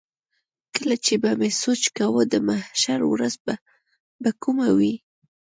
کله چې به مې سوچ کاوه د محشر ورځ به کومه وي.